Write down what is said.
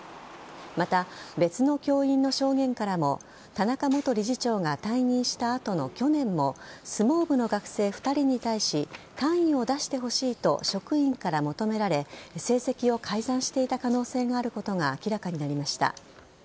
また、別の教員の証言からも田中元理事長が退任した後の去年も相撲部の学生２人に対し単位を出してほしいと職員から求められ成績を改ざんしていた可能性があることが明らかになりました。